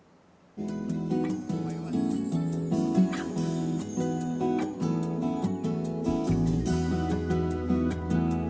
bagaimana jika mencoba berwisata alam di gunung papandayan garut